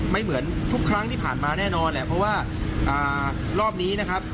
เหมือนทุกครั้งที่ผ่านมาแน่นอนแหละเพราะว่ารอบนี้นะครับ